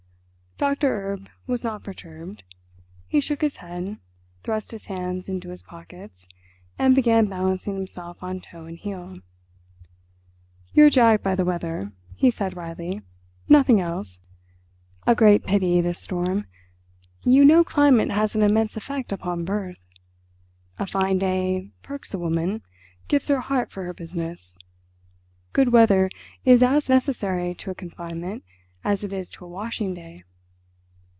Doctor Erb was not perturbed. He shook his head, thrust his hands into his pockets, and began balancing himself on toe and heel. "You're jagged by the weather," he said wryly, "nothing else. A great pity—this storm. You know climate has an immense effect upon birth. A fine day perks a woman—gives her heart for her business. Good weather is as necessary to a confinement as it is to a washing day.